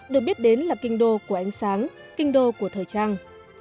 được biết đến là kinh đô của ánh sáng kinh đô của thời trang